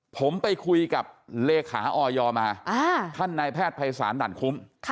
ผมไปคุยกับเลขาออยมาท่านนายแพทย์ภัยศาลด่านคุ้ม